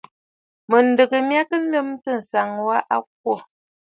Mɨ̀ndɨgə mya kɔʼɔ lɨmtə ànsaŋ wa ŋkwerə a kwô.